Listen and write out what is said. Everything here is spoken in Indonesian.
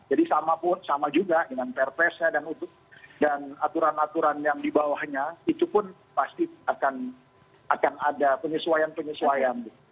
jadi sama juga dengan perpresnya dan aturan aturan yang di bawahnya itu pun pasti akan ada penyesuaian penyesuaian